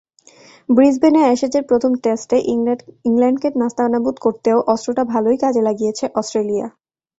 ব্রিসবেনে অ্যাশেজের প্রথম টেস্টে ইংল্যান্ডকে নাস্তানাবুদ করতেও অস্ত্রটা ভালোই কাজে লাগিয়েছে অস্ট্রেলিয়া।